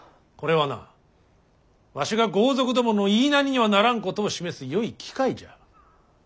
これはなわしが豪族どもの言いなりにはならんことを示すよい機会じゃ。